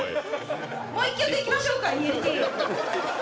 もう１曲いきましょうか、ＥＬＴ。